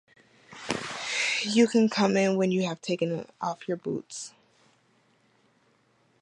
You can come in when you have taken off your boots.